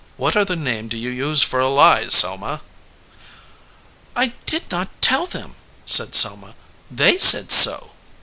What other name do you use for a lie, Selma?" "I did not tell them," said Selma. "They said so."